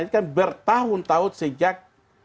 ini kan bertahun tahun sejak